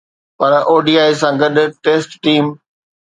پر ODI سان گڏ، test team